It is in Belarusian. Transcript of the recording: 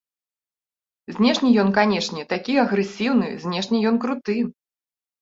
Знешне ён, канешне, такі агрэсіўны, знешне ён круты.